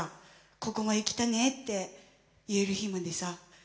ここまで来たねって言える日までさ